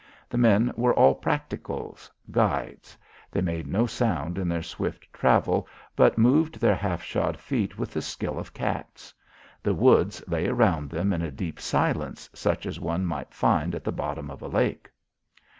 The men were all practicos guides. They made no sound in their swift travel, but moved their half shod feet with the skill of cats. The woods lay around them in a deep silence, such as one might find at the bottom of a lake.